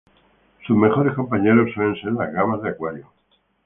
Sus mejores compañeros suelen ser las gambas de acuario.